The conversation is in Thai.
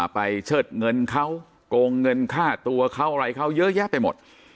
เชิดเงินเขาโกงเงินค่าตัวเขาอะไรเขาเยอะแยะไปหมด